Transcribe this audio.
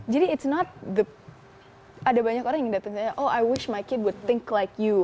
jadi it's not the ada banyak orang yang dateng oh i wish my kid would think like you